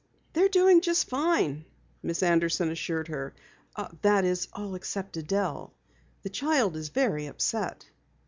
"They're doing just fine," Miss Anderson assured her. "That is, all except Adelle. The child is very upset."